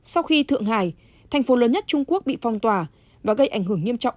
sau khi thượng hải thành phố lớn nhất trung quốc bị phong tỏa và gây ảnh hưởng nghiêm trọng